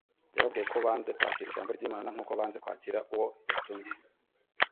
Yababwiye ko banze kwakira ijambo ry’Imana nkuko banze kwakira Uwo yatumye.